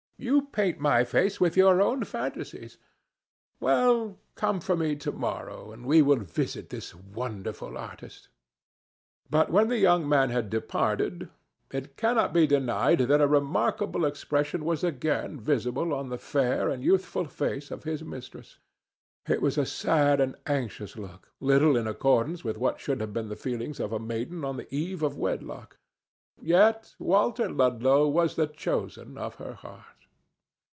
"You paint my face with your own fantasies. Well, come for me tomorrow, and we will visit this wonderful artist." But when the young man had departed, it cannot be denied that a remarkable expression was again visible on the fair and youthful face of his mistress. It was a sad and anxious look, little in accordance with what should have been the feelings of a maiden on the eve of wedlock. Yet Walter Ludlow was the chosen of her heart.